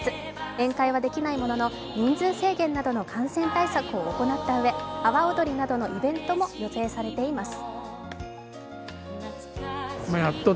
宴会はできないものの、人数制限などの感染対策を行ったうえ阿波おどりなどのイベントも予定されています。